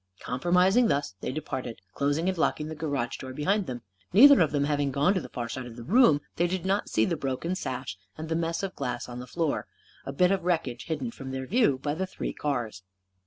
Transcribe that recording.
Compromising thus, they departed, closing and locking the garage door behind them. Neither of them having gone to the far side of the room, they did not see the broken sash and the mess of glass on the floor a bit of wreckage hidden from their view by the three cars.